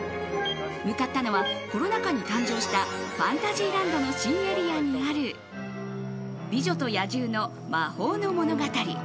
向かったのはコロナ禍に誕生したファンタジーランドの新エリアにある美女と野獣の“魔法のものがたり”。